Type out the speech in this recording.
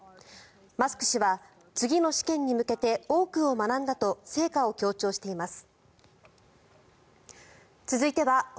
マスク氏は次の試験に向けて多くを学んだと成果を強調しています。